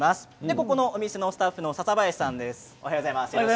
ここのお店のスタッフの笹林さんです。